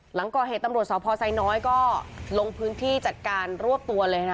หลังก่อเหตุตำรวจสพไซน้อยก็ลงพื้นที่จัดการรวบตัวเลยนะ